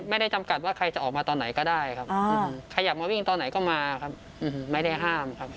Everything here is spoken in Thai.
จำกัดว่าใครจะออกมาตอนไหนก็ได้ครับใครอยากมาวิ่งตอนไหนก็มาครับไม่ได้ห้ามครับ